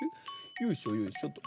よいしょよいしょっと。